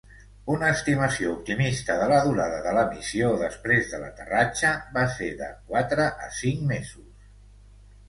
Una estimació optimista de la durada de la missió després de l'aterratge va ser de "quatre a cinc mesos".